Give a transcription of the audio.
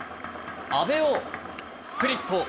阿部をスプリット。